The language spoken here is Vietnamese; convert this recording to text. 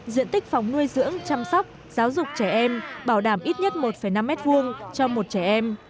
diện tích phòng nuôi dưỡng chăm sóc giáo dục trẻ em bảo đảm ít nhất một năm m hai cho một trẻ em